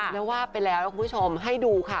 แล้วว่าไปแล้วนะคุณผู้ชมให้ดูค่ะ